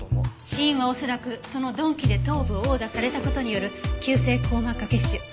死因は恐らくその鈍器で頭部を殴打された事による急性硬膜下血腫。